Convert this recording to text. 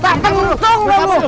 tenteng bentung kamu